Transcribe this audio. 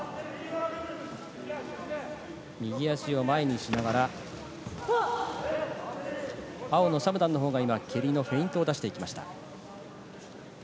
右足を前にしながら、青のシャムダンのほうが蹴りのフェイントを出していきました。